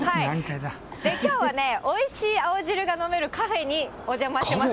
きょうはね、おいしい青汁が飲めるカフェにお邪魔してます。